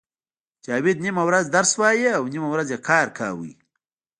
جاوید نیمه ورځ درس وایه او نیمه ورځ کار کاوه